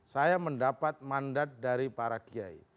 saya mendapat mandat dari para kiai